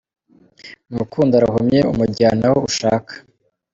Mu rukundo arahumye umujyana aho ushaka.